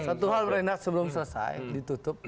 satu hal renat sebelum selesai ditutup